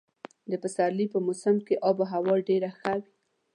د پسرلي په موسم کې اب هوا ډېره ښه وي.